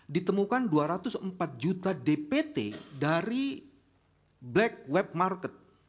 ditemukan dua ratus empat juta dpt dari black web market